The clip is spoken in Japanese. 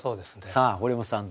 さあ堀本さん